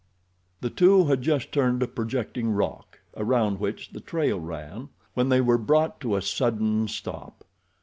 The two had just turned a projecting rock around which the trail ran when they were brought to a sudden stop.